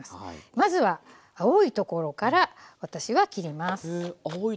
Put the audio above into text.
まずは青いところから私は切ります。